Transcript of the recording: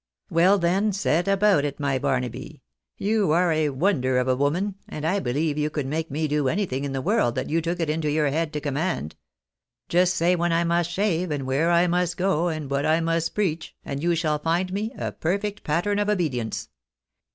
" Well, then — set about it, my Barnaby ! You are a wonder of a woman, and I believe you could make me do anything in the world that you took it into your head to command. Just say when I must shave, and where I must go, and what I must preach, and you shall find me a perfect pattern of obedience."